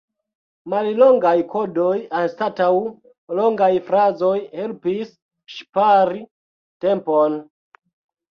Mallongaj kodoj anstataŭ longaj frazoj helpis ŝpari tempon.